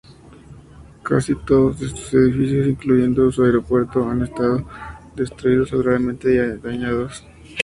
Casi todos de sus edificios, incluyendo su aeropuerto, han estados destruidos o gravemente dañados.